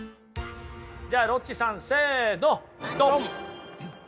じゃあロッチさんせのドン！